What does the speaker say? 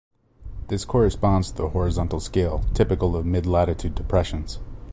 This corresponds to the horizontal scale typical of mid-latitude depressions.